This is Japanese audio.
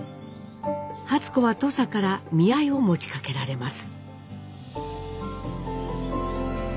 初子はとさから見合いを持ちかけられます。